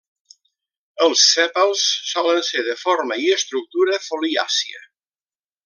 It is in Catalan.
Els sèpals solen ser de forma i estructura foliàcia.